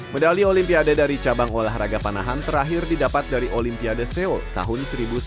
medali olimpiade dari cabang olahraga panahan terakhir didapat dari olimpiade seoul tahun seribu sembilan ratus sembilan puluh